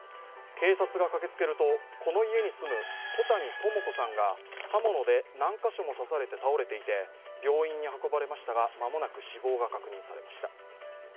警察が駆けつけると、この家に住む小谷朋子さんが刃物で何カ所も刺されて倒れていて、病院に運ばれましたが、間もなく死亡が確認されました。